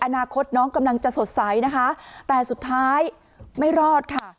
อนาคตน้องกำลังจะสดใสนะคะแต่สุดท้ายไม่รอดค่ะ